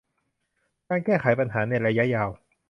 การแก้ไขปัญหาในระยะยาว